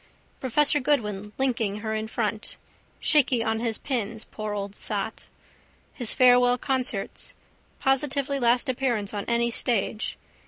Professor Goodwin linking her in front. Shaky on his pins, poor old sot. His farewell concerts. Positively last appearance on any stage.